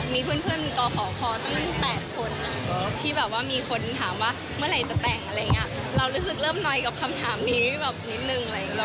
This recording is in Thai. มีเพื่อนก่อขอขอเพราะมัน๘คนนะที่มีคนถามว่าเมื่อไหร่จะแตกเรารู้สึกเริ่มหน่อยกับคำถามนี้แบบนิดนึง